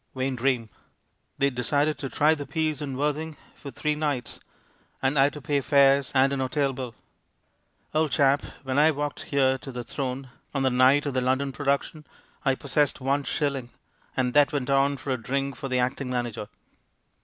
Vain dream! They decided to 'try the piece' in Worthing for three nights — and I had to pay fares and an hotel bill I Old chap, when I walked here to the Throne, on the night of the London production, I possessed onr shilling — and that went on a drink for the acting manager.